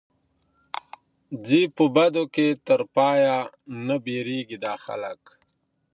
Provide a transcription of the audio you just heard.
ځي په بدو کي تر پايه نه بېرېږي دا خلک